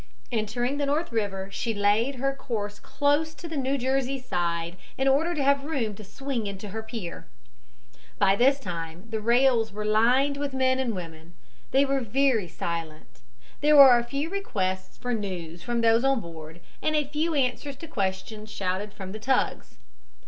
Entering the North River she laid her course close to the New Jersey side in order to have room to swing into her pier. By this time the rails were lined with men and women. They were very silent. There were a few requests for news from those on board and a few answers to questions shouted from the tugs.